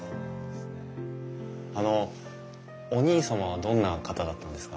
あのお兄様はどんな方だったんですか？